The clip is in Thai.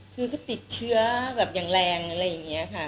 คือก็ติดเชื้อแบบอย่างแรงอะไรอย่างนี้ค่ะ